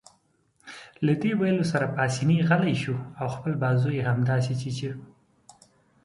له دې ویلو سره پاسیني غلی شو او خپل بازو يې همداسې چیچه.